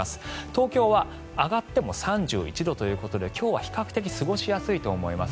東京は上がっても３１度ということで今日は比較的過ごしやすいと思います。